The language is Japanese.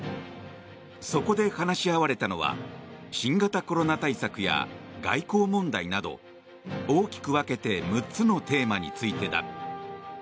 そこで話し合われたのは新型コロナ対策や外交問題など、大きく分けて６つのテーマについてだ。